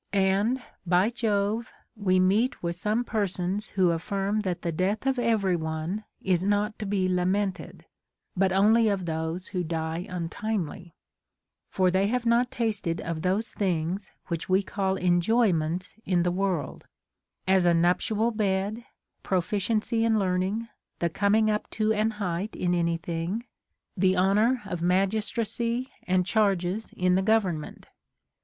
23. And, by Jove, we meet Avith some persons Avho affirm that the death of every one is not to be lamented, but only of those who die untimely ; for they have not tasted of those things which we call enjoyments in the world, as a nuptial bed, proficiency in learning, the coming up to an height in any thing, the honor of magistracy and charges in the government.